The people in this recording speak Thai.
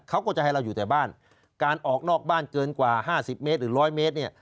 เขาก็จะให้เราอยู่แต่บ้านการออกนอกบ้านเกินกว่า๕๐เมตรหรือร้อยเมตรเนี่ย